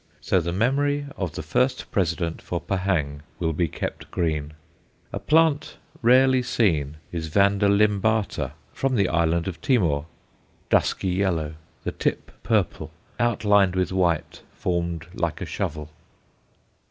So the memory of the first President for Pahang will be kept green. A plant rarely seen is V. limbata from the island of Timor dusky yellow, the tip purple, outlined with white, formed like a shovel.